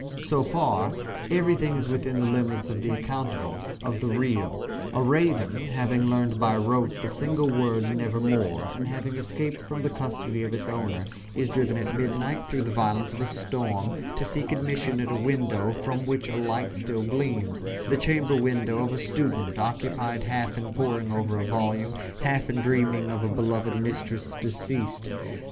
So far, everything is within the limits of the accountable of the real. A raven, having learned by rote the single word "Nevermore," and having escaped from the custody of its owner, is driven at midnight, through the violence of a storm, to seek admission at a window from which a light still gleams the chamber window of a student, occupied half in poring over a volume, half in dreaming of a beloved mistress deceased.